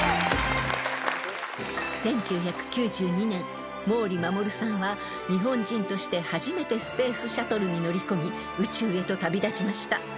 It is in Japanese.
［１９９２年毛利衛さんは日本人として初めてスペースシャトルに乗り込み宇宙へと旅立ちました］